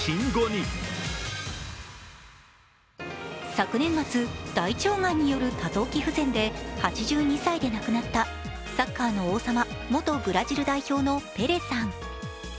昨年末、大腸がんによる多臓器不全で８２歳で亡くなったサッカーの王様、元ブラジル代表のペレさん。